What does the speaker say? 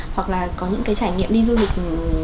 hoặc là có những trải nghiệm đi du lịch